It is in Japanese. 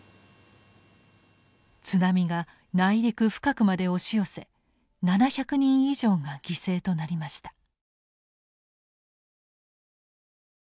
津波が内陸深くまで押し寄せ７００人以上が犠牲となりました。